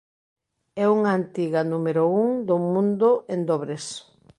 É unha antiga número un do mundo en dobres.